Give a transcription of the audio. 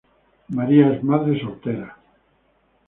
María es madre soltera.